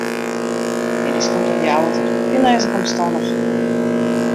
Middeis komt de Ljouwerter, dy lês ik omstannich.